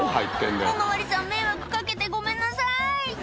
「お巡りさん迷惑かけてごめんなさい！」